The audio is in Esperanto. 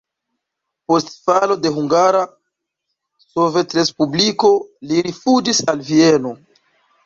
Post falo de Hungara Sovetrespubliko li rifuĝis al Vieno.